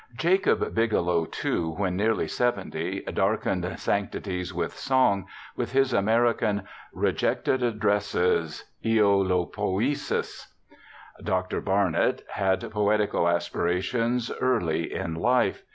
Jacob Bigelow, too, when nearly seventy, * darkened sanctities with song ' with his American Rejected Addresses {Eohpoesis). Dr. Bartlett had poetical aspirations early in life.